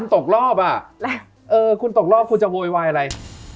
ถ้าคุณตกรอบคุณจะโวยวายอะไร